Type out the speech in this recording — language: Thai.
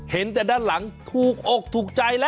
เห็นแต่ด้านหลังถูกอกถูกใจแล้ว